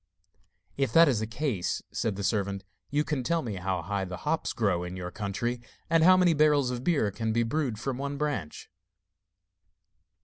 'If that is the case,' said the servant, 'you can tell me how high the hops grow in your country, and how many barrels of beer can be brewed from one branch?